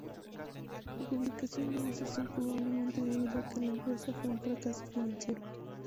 La publicación luego cesó, probablemente debido a que la empresa fue un fracaso financiero.